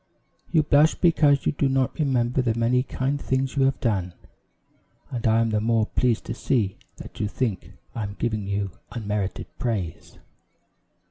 You blush because you do not remember the many kind things you have done, and I am the more pleased to see that you think I am giving you unmerited praise.